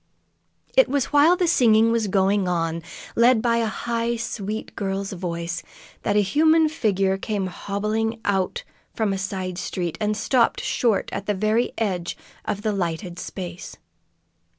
It was while the singing was going on, led by a high, sweet girl's voice, that a human figure came hobbling out from a side street, and stopped short at the very edge of the lighted space.